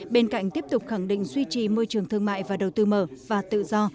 bên cạnh tiếp tục khẳng định duy trì môi trường thương mại và đầu tư mở và tự do